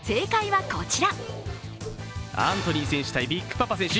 アントニー選手対ビッグパパ選手